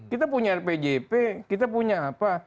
kita punya rpjp kita punya apa